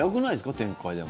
展開、でも。